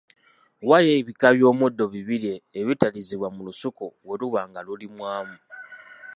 Waayo ebika by’omuddo bibiri ebitalizibwa mu lusuku bwe luba nga lulimwamu.